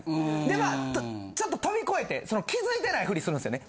でまあちょっと飛び越えて気付いてないフリするんですよね。